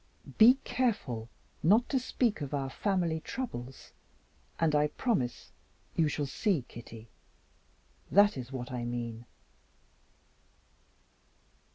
"Be careful not to speak of our family troubles and I promise you shall see Kitty. That is what I mean."